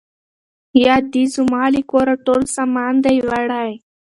یا دي زما له کوره ټول سامان دی وړی